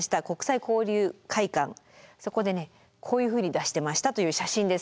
そこでねこういうふうに出してましたという写真です。